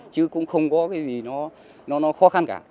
chứ cũng không có cái gì nó khó khăn cả